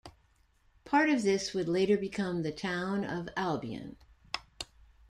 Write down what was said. Part of this would later become the Town of Albion.